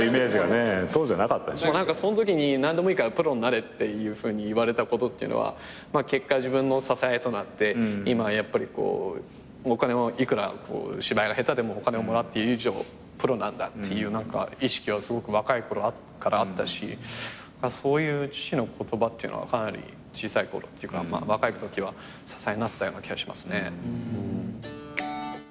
そんときに何でもいいからプロになれっていうふうに言われたことっていうのは結果自分の支えとなって今やっぱりこういくら芝居が下手でもお金をもらってる以上プロなんだっていう意識は若いころからあったしそういう父の言葉っていうのはかなり小さいころっていうか若いときは支えになってたような気はしますね。